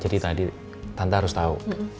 jadi tadi tante harus tahu